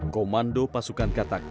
komando pasukan katakan